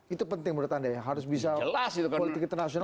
itu penting menurut anda ya harus bisa politik internasional